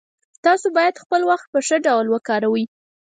تاسو باید خپل وخت په ښه ډول وکاروئ